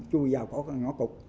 chui vào khỏi ngõ cục